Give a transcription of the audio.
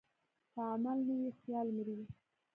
که عمل نه وي، خیال مري.